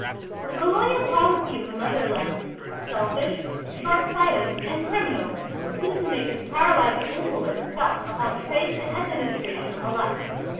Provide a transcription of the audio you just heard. The colonial policy of the mother land, selfish, short sighted, and criminal, was soon to make its paralyzing influence felt upon trade and administration alike.